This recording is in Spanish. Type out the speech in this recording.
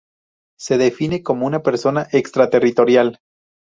Se define como una persona extraterritorial.